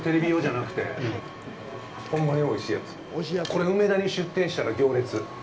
これ、梅田に出店したら行列！